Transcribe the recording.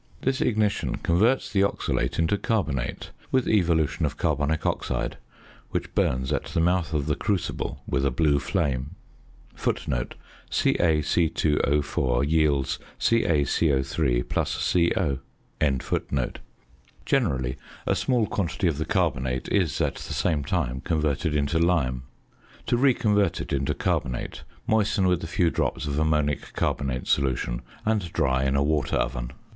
This ignition converts the oxalate into carbonate, with evolution of carbonic oxide, which burns at the mouth of the crucible with a blue flame. Generally a small quantity of the carbonate is at the same time converted into lime. To reconvert it into carbonate, moisten with a few drops of ammonic carbonate solution, and dry in a water oven.